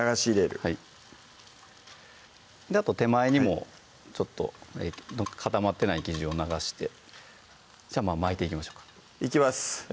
はい手前にもちょっと固まってない生地を流して巻いていきましょうかいきます